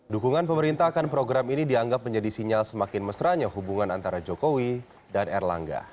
dukungan pemerintah akan program ini dianggap menjadi sinyal semakin mesranya hubungan antara jokowi dan erlangga